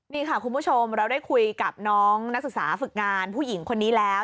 นี่ค่ะคุณผู้ชมเราได้คุยกับน้องนักศึกษาฝึกงานผู้หญิงคนนี้แล้ว